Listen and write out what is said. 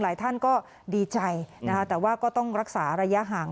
หลายท่านก็ดีใจนะคะแต่ว่าก็ต้องรักษาระยะห่าง